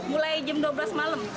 mulai jam dua belas malam